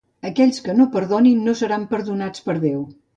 Aquells que no perdonin no seran perdonats per Déu.